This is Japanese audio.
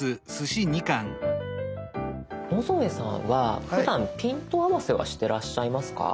野添さんはふだんピント合わせはしてらっしゃいますか？